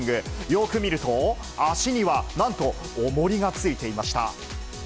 よく見ると、足にはなんと、おもりがついていました。